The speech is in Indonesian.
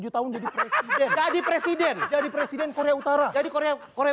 tujuh tahun jadi presiden jadi presiden jadi presiden korea utara jadi korea korea